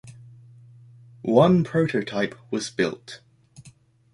One prototype was built.